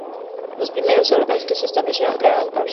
Los primeros europeos que se establecieron crearon provincias.